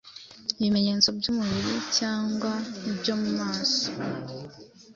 ibimenyetso by’umubiri cyangwa byo mu maso